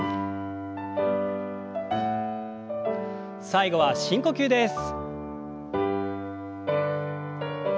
最後は深呼吸です。